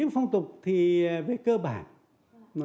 phong tục thì về cơ bản